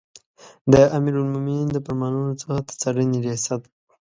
د امیرالمؤمنین د فرمانونو څخه د څارنې ریاست